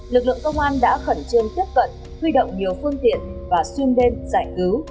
lực lượng công an đã khẩn trương tiếp cận huy động nhiều phương tiện và xuyên đêm giải cứu